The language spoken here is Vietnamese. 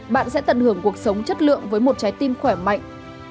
bạn sẽ tận hưởng cuộc sống chất lượng với một trái tim khỏe mạnh